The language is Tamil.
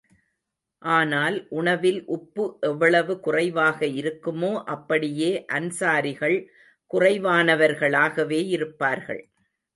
ஆனால், உணவில் உப்பு எவ்வளவு குறைவாக இருக்குமோ, அப்படியே அன்ஸாரிகள் குறைவானவர்களாகவே இருப்பார்கள்.